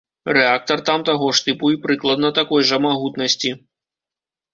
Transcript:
Рэактар там таго ж тыпу і прыкладна такой жа магутнасці.